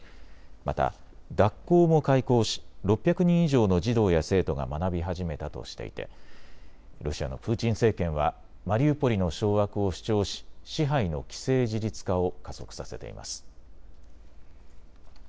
また学校も開校し６００人以上の児童や生徒が学び始めたとしていてロシアのプーチン政権はマリウポリの掌握を主張し支配の既成事実化を加速させています。